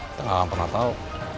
kita gak akan pernah tahu